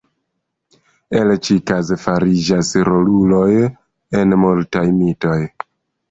El ĉi-kaze fariĝas roluloj en multaj mitoj.